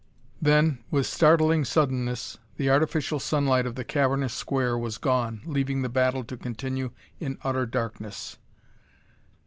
Then, with startling suddenness, the artificial sunlight of the cavernous Square was gone, leaving the battle to continue in utter darkness.